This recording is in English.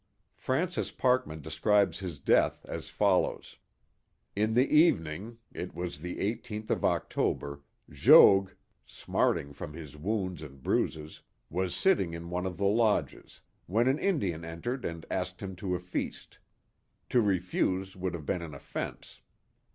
Francis Parkman describes his death as follows: In the evening — it was the eighteenth of October — Jogues, smarting from his wounds and bruises, was sitting in one of the lodges, when an Indian entered and asked him to a feast. To refuse would have been an offense.